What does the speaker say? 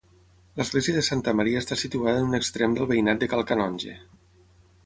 L'església de Santa Maria està situada en un extrem del veïnat de Cal Canonge.